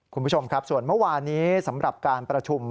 คุณผู้ชมครับส่วนเมื่อวานี้สำหรับการประชุม